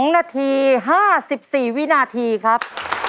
๒นาที๕๔วินาทีครับ